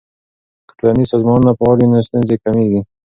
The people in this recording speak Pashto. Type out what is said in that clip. که ټولنیز سازمانونه فعال وي نو ستونزې کمیږي.